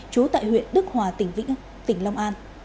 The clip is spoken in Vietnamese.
chú tại huyện đức hòa tỉnh vĩnh long